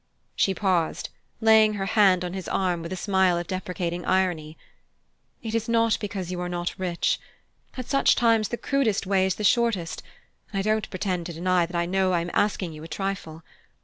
She paused, laying her hand on his arm with a smile of deprecating irony. "It is not because you are not rich. At such times the crudest way is the shortest, and I don't pretend to deny that I know I am asking you a trifle.